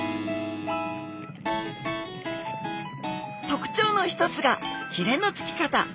特徴の一つがひれの付き方。